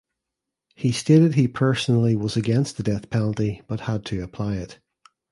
He stated he personally was against the death penalty but had to apply it.